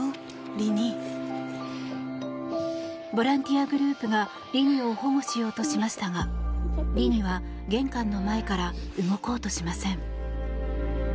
ボランティアグループがリニを保護しようとしましたがリニは玄関の前から動こうとしません。